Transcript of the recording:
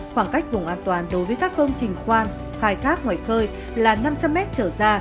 khoảng cách vùng an toàn đối với các công trình khoan khai thác ngoài khơi là năm trăm linh m trở ra